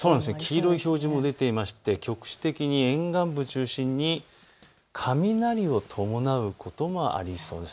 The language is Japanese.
黄色い表示も出ていまして局地的に沿岸部中心に雷を伴うこともありそうです。